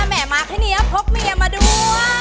แหมดให้เหนียวพบเมียมาด้วย